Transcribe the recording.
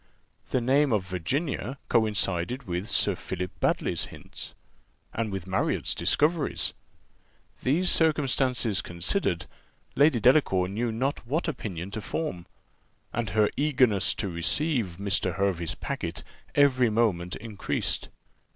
The name of Virginia coincided with Sir Philip Baddely's hints, and with Marriott's discoveries: these circumstances considered, Lady Delacour knew not what opinion to form; and her eagerness to receive Mr. Hervey's packet every moment increased.